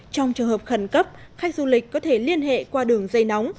trong trường hợp khẩn cấp khách du lịch có thể liên hệ qua đường dây nóng